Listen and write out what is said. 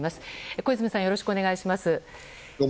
小泉さん、よろしくお願いします。